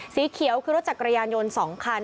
สีเขียวคือรถจักรยานยนต์๒คัน